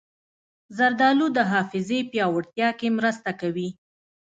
زردالو د حافظې پیاوړتیا کې مرسته کوي.